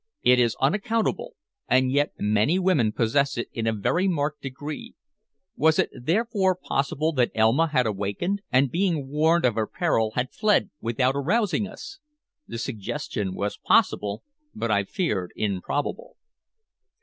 It is unaccountable, and yet many women possess it in a very marked degree. Was it, therefore, possible that Elma had awakened, and being warned of her peril had fled without arousing us? The suggestion was possible, but I feared improbable.